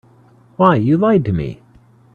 Why, you lied to me.